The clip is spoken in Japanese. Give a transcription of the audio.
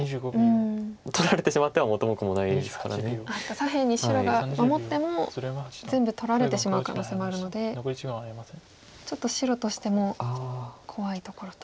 左辺に白が守っても全部取られてしまう可能性もあるのでちょっと白としても怖いところと。